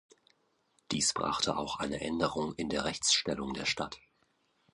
Dies brachte auch eine Änderung in der Rechtsstellung der Stadt.